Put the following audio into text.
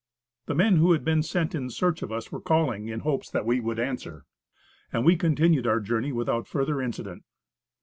The men who had been sent in search of us were calling, in hopes that we would answer and we continued our journey without further incident.